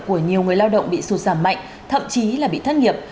của nhiều người lao động bị sụt giảm mạnh thậm chí là bị thất nghiệp